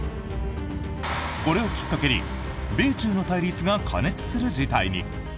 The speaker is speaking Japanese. これをきっかけに米中の対立が過熱する事態に。